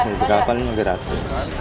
untuk kapal ini gratis